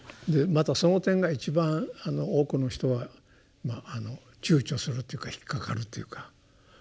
またその点が一番多くの人がちゅうちょするっていうか引っ掛かるというか。